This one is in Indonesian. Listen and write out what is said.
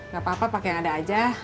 gapapa pake yang ada aja